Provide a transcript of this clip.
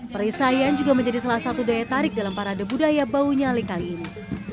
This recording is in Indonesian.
perisaian juga menjadi salah satu daya tarik dalam parade budaya bau nyali kali ini